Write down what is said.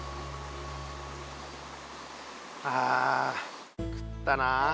ああ食ったなあ。